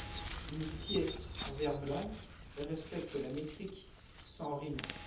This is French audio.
Une pièce en vers blancs respecte la métrique sans rimes.